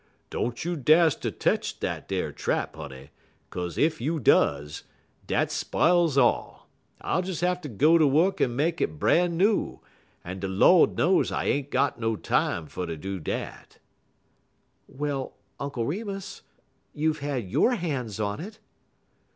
"Don't you dast ter tetch dat ar trap, honey, 'kaze ef you does, dat spiles all. I'll des hatter go ter wuk en make it bran new, en de Lord knows I ain't got no time fer ter do dat." "Well, Uncle Remus, you've had your hands on it."